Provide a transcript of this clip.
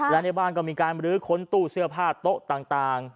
และในบ้านก็มีการบรื้อค้นตู้เสื้อผ้าโต๊ะต่าง